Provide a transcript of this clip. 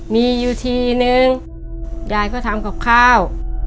มีอยู่ทีนึงยายก็ทำกับข้าว